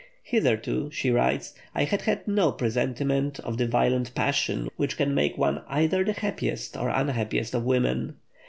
"Hitherto," she writes, "I had had no presentiment of the violent passion which can make one either the happiest or unhappiest of women.